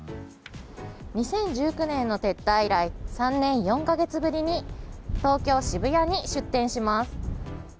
２０１９年の撤退以来３年４か月ぶりに東京・渋谷に出店します。